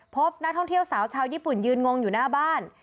พบนักท่องเที่ยวสาวชาวญี่ปุ่นยืนงงอยู่หน้าบ้าน